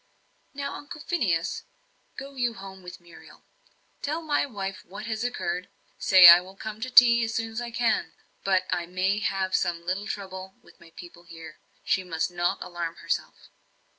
"Now, Uncle Phineas, go you home with Muriel. Tell my wife what has occurred say, I will come to tea as soon as I can. But I may have some little trouble with my people here. She must not alarm herself."